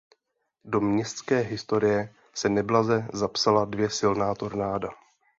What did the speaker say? Do městské historie se neblaze zapsala dvě silná tornáda.